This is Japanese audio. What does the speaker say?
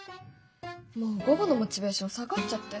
もう午後のモチベーション下がっちゃって。